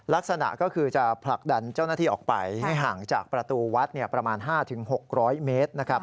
ลักษณะก็คือจะผลักดันเจ้าหน้าที่ออกไปให้ห่างจากประตูวัดประมาณ๕๖๐๐เมตรนะครับ